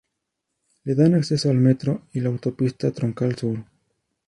Le dan acceso el metro y la autopista Troncal Sur.